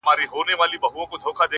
• هم له خپلو هم پردیو را جلا وه -